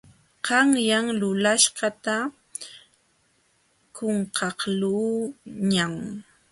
Qanyan lulaśhqata qunqaqluuñam.